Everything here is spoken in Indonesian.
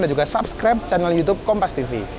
dan juga subscribe channel youtube kompastv